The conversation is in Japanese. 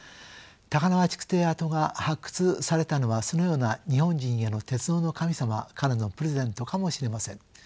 高輪築堤跡が発掘されたのはそのような日本人への鉄道の神様からのプレゼントかもしれません。